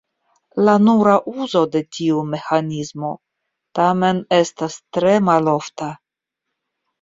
La nura uzo de tiu meĥanismo tamen estas tre malofta.